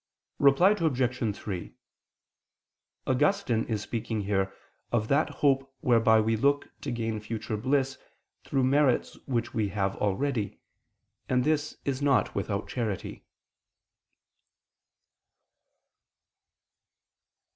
Reply Obj. 3: Augustine is speaking here of that hope whereby we look to gain future bliss through merits which we have already; and this is not without charity.